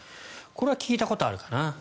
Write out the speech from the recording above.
これは聞いたことあるかな。